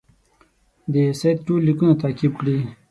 د سید ټول لیکونه تعقیب کړي.